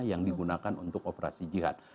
yang digunakan untuk operasi jihad